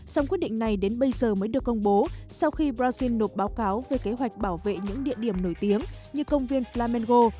song quyết định này đến bây giờ mới được công bố sau khi brazil nộp báo cáo về kế hoạch bảo vệ những địa điểm nổi tiếng như công viên plamengo